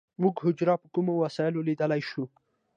موږ حجره په کومه وسیله لیدلی شو